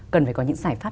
cần phải có những giải pháp